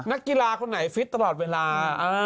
นักกีฬาคนไหนฟิตตลอดเวลา